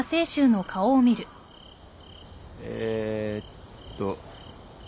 えーっと。